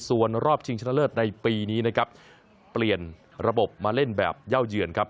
ส่วนรอบชิงชนะเลิศในปีนี้นะครับเปลี่ยนระบบมาเล่นแบบเย่าเยือนครับ